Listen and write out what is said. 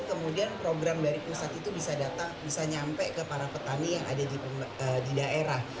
kemudian program dari pusat itu bisa datang bisa nyampe ke para petani yang ada di daerah